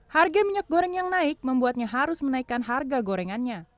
harga minyak goreng yang naik membuatnya harus menaikkan harga gorengannya